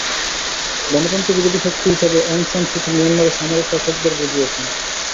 গণতন্ত্রবিরোধী শক্তি হিসেবে Aung San Suu Kyi মিয়ানমারের সামরিক শাসকদের বুঝিয়েছেন।